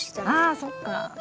あそっか。